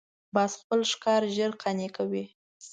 باز خپل ښکار ژر قانع کوي